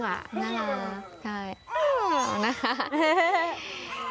น่ารักใช่น่ารัก